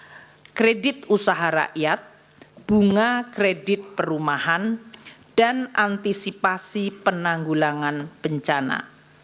non energy seperti pupuk pso kredit usaha rakyat bunga kredit perumahan dan antisipasi penanggulangan bencana